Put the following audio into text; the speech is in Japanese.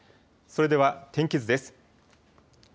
それでは天気図です。